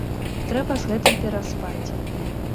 Трэба з гэтым пераспаць.